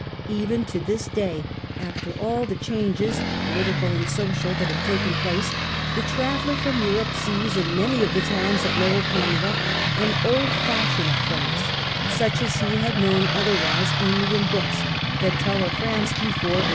Even to this day, after all the changes, political and social, that have taken place, the traveller from Europe sees in many of the towns of Lower Canada an old fashioned France, such as he had known otherwise only in books that tell of France before '89.